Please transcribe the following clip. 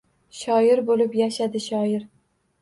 Shoir bo’lib yashadi shoir.